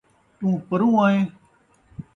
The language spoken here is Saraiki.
توں پروں آئیں